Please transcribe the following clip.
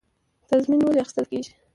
تضمین ولې اخیستل کیږي؟